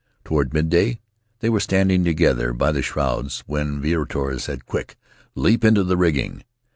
Toward midday they were standing together by the shrouds when Viritoa said, 'Quick, leap into the rigging!'